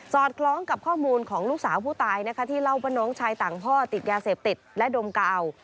คล้องกับข้อมูลของลูกสาวผู้ตายนะคะที่เล่าว่าน้องชายต่างพ่อติดยาเสพติดและดมกาว